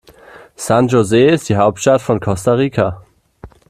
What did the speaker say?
San José ist die Hauptstadt von Costa Rica.